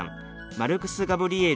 マルクス・ガブリエル